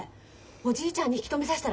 おじいちゃんに引き止めさせたら？